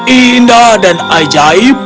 indah dan ajaib